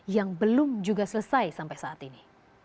yang belum juga selesai sampai saat ini